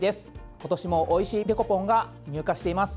今年もおいしいデコポンが入荷しています。